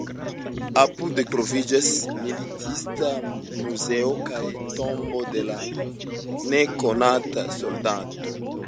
Apude troviĝas militista muzeo kaj la Tombo de la Nekonata Soldato.